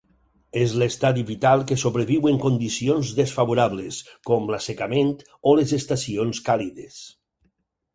És l'estadi vital que sobreviu en condicions desfavorables, com l'assecament o les estacions càlides.